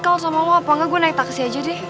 kalau sama mau apa enggak gue naik taksi aja deh